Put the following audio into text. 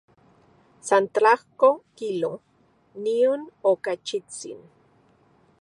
San tlajko kilo, nion okachitsin.